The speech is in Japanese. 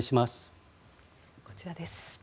こちらです。